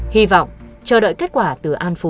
hi vọng chờ đợi kết quả từ an phú